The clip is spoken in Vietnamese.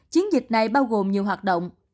chiến dịch này bao gồm nhiều hoạt động